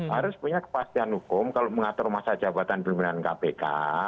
harus punya kepastian hukum kalau mengatur masa jabatan pimpinan kpk